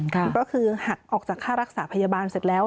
ก็คือหักออกจากค่ารักษาพยาบาลเสร็จแล้ว